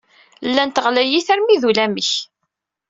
Llant ɣlayit armi d ulamek.